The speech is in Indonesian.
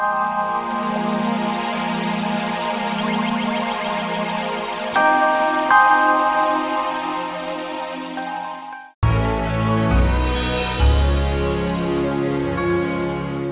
tunggu aku mau pergi dulu